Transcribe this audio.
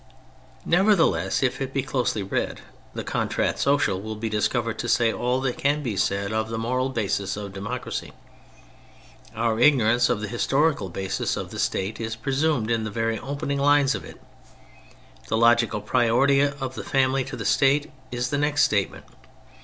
Nevertheless, if it be closely read the Contrat Social will be discovered to say all that can be said of the moral basis of democracy. Our isfnorance of the historical basis of the State is presumed in the very openmg Imes of it. The logical priority of the family to the State is the next statement.